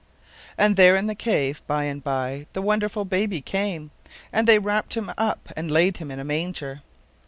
And there in the cave, by and by, the wonderful baby [Pg 66]came, and they wrapped Him up and laid Him in a manger.